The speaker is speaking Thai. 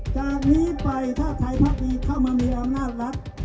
จากนี้ไปถ้าไทยพักดีเข้ามามีอำนาจรัฐ